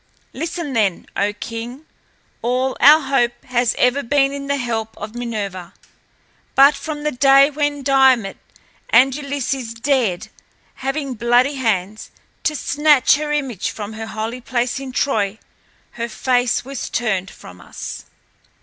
Listen then, O King. All our hope has ever been in the help of Minerva. But from the day when Diomed and Ulysses dared, having bloody hands, to snatch her image from her holy place in Troy, her face was turned from us.